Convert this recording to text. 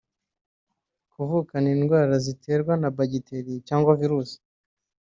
Kuvukana indwara ziterwa na bagiteri cyangwa virusi